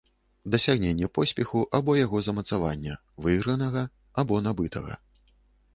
Дасягненне поспеху або яго замацавання, выйгранага або набытага.